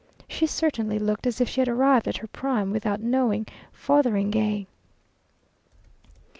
She certainly looked as if she had arrived at her prime without knowing Fotheringay.